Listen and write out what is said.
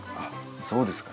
そうですか。